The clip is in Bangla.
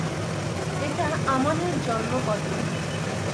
এটা আমান এর জন্মপত্র।